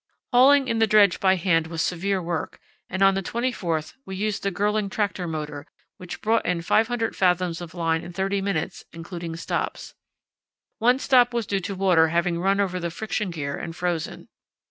Hauling in the dredge by hand was severe work, and on the 24th we used the Girling tractor motor, which brought in 500 fathoms of line in thirty minutes, including stops. One stop was due to water having run over the friction gear and frozen.